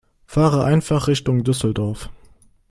Fahre einfach Richtung Düsseldorf